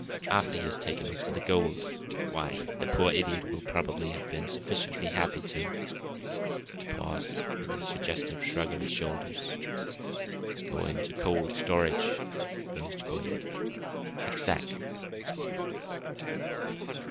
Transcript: After he has taken us to the gold why, the poor idiot will probably have been sufficiently happy to " He paused, with a suggestive shrug of his shoulders. " go into cold storage," finished Quade. "Exactly."